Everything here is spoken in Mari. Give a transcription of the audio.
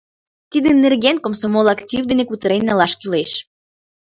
Тидын нерген комсомол актив дене кутырен налаш кӱлеш.